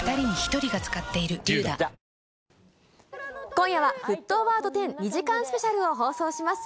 今夜は、沸騰ワード１０、２時間スペシャルを放送します。